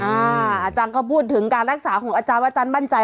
อ่าอาจารย์ก็พูดถึงการรักษาของอาจารย์บ้านใจ